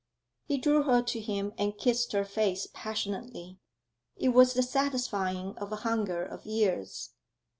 He drew her to him and kissed her face passionately. It was the satisfying of a hunger of years.